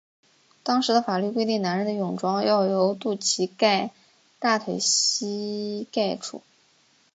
当时的法律规定男人的泳装要由肚脐盖大腿膝盖处。